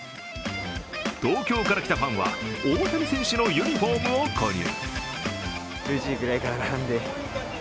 東京から来たファンは大谷選手のユニフォームを購入。